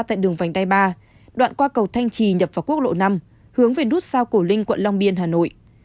tại đường vành đai ba đoạn qua cầu thanh trì nhập vào quốc lộ năm hướng về nút sao cổ linh quận long biên hà nội